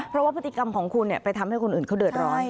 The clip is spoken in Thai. เพราะว่าพฤติกรรมของคุณไปทำให้คนอื่นเขาเดือดร้อน